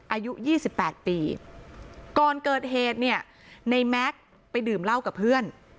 อายุ๒๘ปีก่อนเกิดเหตุเนี่ยในแม็กซ์ไปดื่มเหล้ากับเพื่อน